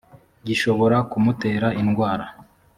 gishobora kumutera indwara